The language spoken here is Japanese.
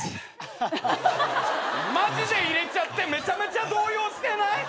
マジでいれちゃってめちゃめちゃ動揺してない！？